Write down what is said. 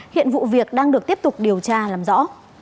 hiện vụ việc đang được tiếp tục điều tra làm rõ